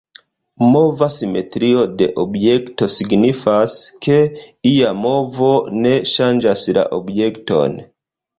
Mova simetrio de objekto signifas, ke ia movo ne ŝanĝas la objekton.